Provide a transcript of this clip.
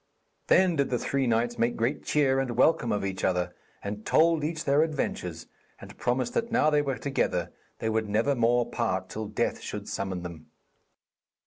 Then did the three knights make great cheer and welcome of each other, and told each their adventures, and promised that now they were together they would never more part till death should summon them.